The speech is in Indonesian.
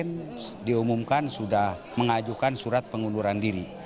kemudian diumumkan sudah mengajukan surat pengunduran diri